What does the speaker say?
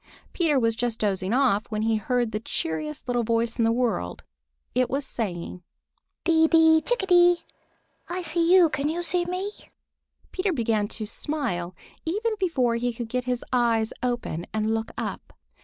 Peter was just dozing off when he heard the cheeriest little voice in the world. It was saying: "Dee dee chickadee! I see you! Can you see me?" Peter began to smile even before he could get his eyes open and look up.